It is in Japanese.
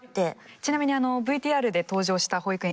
ちなみにあのＶＴＲで登場した保育園